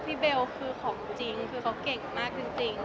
เบลคือของจริงคือเขาเก่งมากจริง